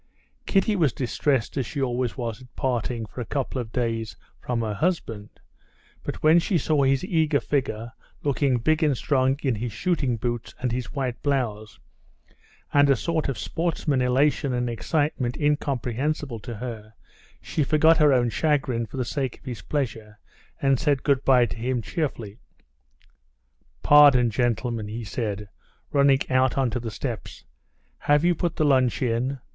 Kitty was distressed, as she always was, at parting for a couple of days from her husband, but when she saw his eager figure, looking big and strong in his shooting boots and his white blouse, and a sort of sportsman elation and excitement incomprehensible to her, she forgot her own chagrin for the sake of his pleasure, and said good bye to him cheerfully. "Pardon, gentlemen!" he said, running out onto the steps. "Have you put the lunch in?